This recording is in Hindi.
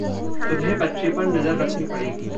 तुम्हे बच्चे पर नज़र रखनी पड़ेगी।